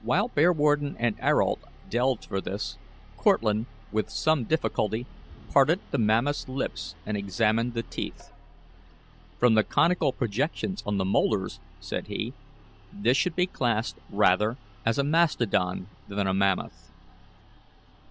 While Bearwarden and Ayrault delved for this, Cortlandt, with some difficulty, parted the mammoth's lips and examined the teeth. "From the conical projections on the molars," said he, "this should be classed rather as a mastodon than as a mammoth."